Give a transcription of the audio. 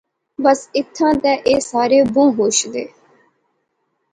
بس ایہھاں تے ایہہ سارے بہوں خوش سے